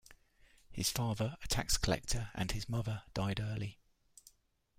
His father, a tax collector, and his mother died early.